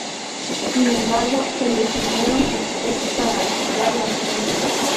Sin embargo, se les unieron sus ex para agitar las cosas.